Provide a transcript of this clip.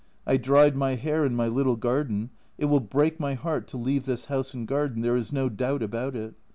I dried my hair in my little garden it will break my heart to leave this house and garden, there is no doubt about it.